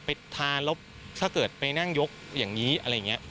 ไปทานแล้วถ้าเกิดไปนั่งยกอย่างนี้อะไรอย่างนี้